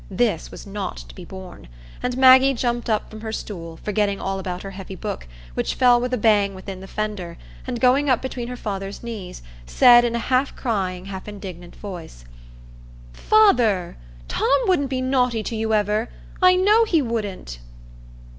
This was not to be borne; and Maggie jumped up from her stool, forgetting all about her heavy book, which fell with a bang within the fender, and going up between her father's knees, said, in a half crying, half indignant voice,— "Father, Tom wouldn't be naughty to you ever; I know he wouldn't."